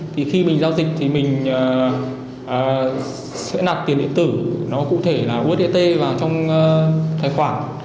thì khi mình giao dịch thì mình sẽ nạp tiền điện tử nó cụ thể là usd vào trong tài khoản